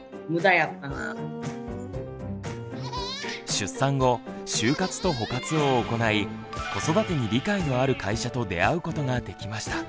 出産後就活と保活を行い子育てに理解のある会社と出会うことができました。